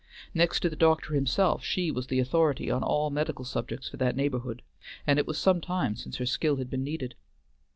Next to the doctor himself, she was the authority on all medical subjects for that neighborhood, and it was some time since her skill had been needed.